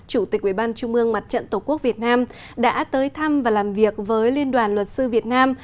chủ tịch ubnd mặt trận tổ quốc việt nam đã tới thăm và làm việc với liên đoàn luật sư việt nam